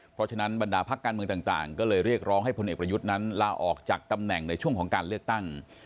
เพราะฉะนั้นบรรดาพักการเมืองต่างก็เลยเรียกร้องให้พลเอกประยุทธ์นั้นลาออกจากตำแหน่งในช่วงของการเลือกตั้ง